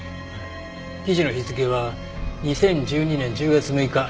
記事の日付は２０１２年１０月６日。